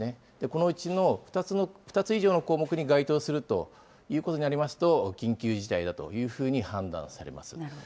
このうちの２つ以上の項目に該当するということになりますと、緊急事態だというふうに判断されます。